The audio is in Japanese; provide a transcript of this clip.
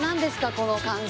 この感じ。